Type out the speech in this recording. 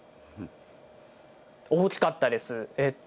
大きかったです。